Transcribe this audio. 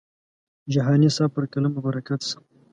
جهاني صاحب پر قلم مو برکت شه.